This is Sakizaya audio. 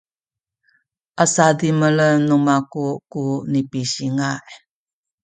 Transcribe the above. a sadimelen aku ku nipisinga’